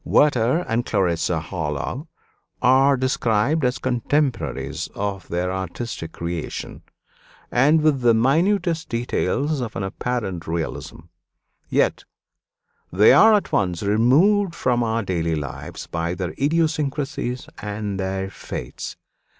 Werter and Clarissa Harlowe are described as contemporaries of their artistic creation, and with the minutest details of an apparent realism; yet they are at once removed from our daily lives by their idiosyncrasies and their fates.